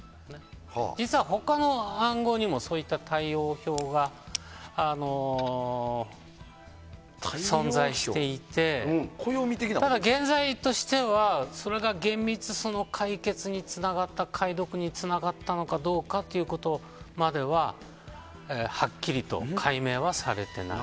実は他の暗号にもそういった対応表が存在していて、現在としてはそれが厳密、その解読につながったかどうかまでははっきりと解明はされていない。